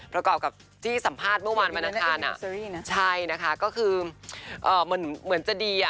ประกอบกับที่สัมภาษณ์เมื่อวานนะครับนะครับใช่นะครับก็คือมันเหมือนจะดีอะ